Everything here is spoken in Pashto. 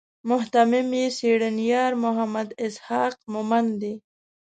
مهتمم یې څېړنیار محمد اسحاق مومند دی.